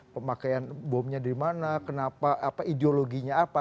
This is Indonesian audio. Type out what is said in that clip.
pemakaian bomnya dari mana kenapa ideologinya apa